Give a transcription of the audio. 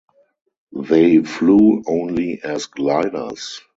They flew only as gliders.